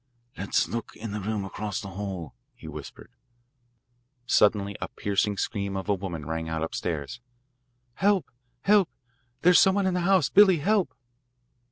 "Let's look in the room across the hall," he whispered. Suddenly a piercing scream of a woman rang out upstairs. "Help! Help! There's some one in the house! Billy, help!"